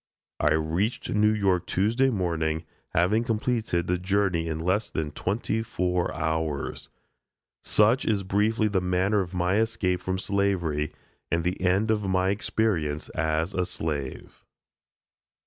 I reached New York Tuesday morning, having completed the journey in less than twenty four hours. Such is briefly the manner of my escape from slavery and the end of my experience as a slave.